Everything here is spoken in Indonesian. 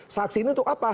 saksi ini untuk apa